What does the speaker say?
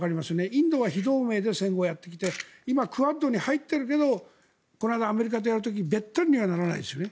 インドは非同盟で戦後をやってきて今はクアッドに入っているけどアメリカとやる時にべったりにはならないですよね。